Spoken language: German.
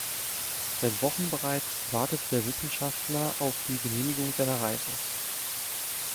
Seit Wochen bereits wartet der Wissenschaftler auf die Genehmigung seiner Reise.